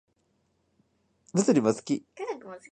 物理も好き